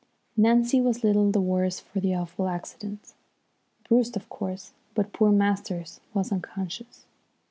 Nancy was little the worse for the awful accident, bruised, of course, but poor Masters was unconscious.